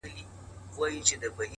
ته مجرم یې ګناکاره یې هر چاته-